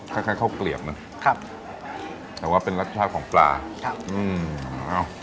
คล้ายคล้ายข้าวเกลียบนะครับแต่ว่าเป็นรสชาติของปลาครับอืมเอ้า